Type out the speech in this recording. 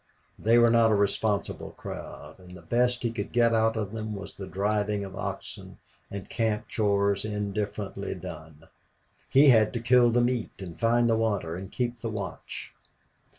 They were not a responsible crowd, and the best he could get out of them was the driving of oxen and camp chores indifferently done. He had to kill the meat and find the water and keep the watch.